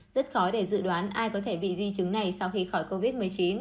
rất khó để dự đoán ai có thể bị di chứng này sau khi khỏi covid một mươi chín